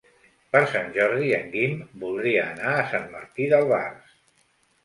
Per Sant Jordi en Guim voldria anar a Sant Martí d'Albars.